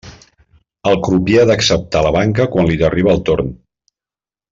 El crupier ha d'acceptar la banca quan li arribe el torn.